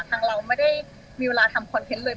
เราไม่ได้มีเวลาทำคอนเทนต์เลย